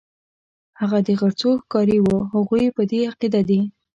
هغه د غرڅو ښکاري وو، هغوی په دې عقیده دي.